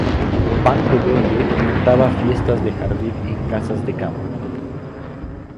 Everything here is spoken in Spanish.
Van de Velde pintaba fiestas de jardín en casas de campo.